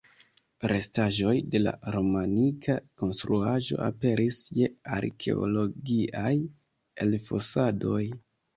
Restaĵoj de la romanika konstruaĵo aperis je arkeologiaj elfosadoj.